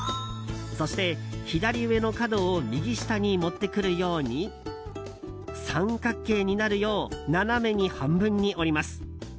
そして、左上の角を右下に持ってくるように三角形になるよう斜めに半分に折ります。